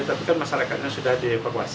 tapi kan masyarakatnya sudah dievakuasi